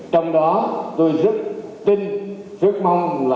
trong đó tôi rất tin rất mong là